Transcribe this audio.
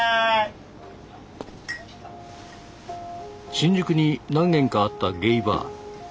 新宿に何軒かあったゲイバー。